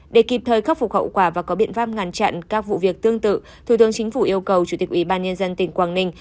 để kịp thời khắc phục hậu quả và có biện pháp ngăn chặn các vụ việc tương tự thủ tướng chính phủ yêu cầu chủ tịch ủy ban nhân dân tỉnh quảng ninh